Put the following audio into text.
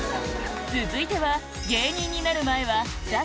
続いては芸人になる前は『ザ！